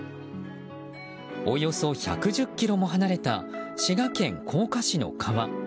およそ１１０ｋｍも離れた滋賀県甲賀市の川。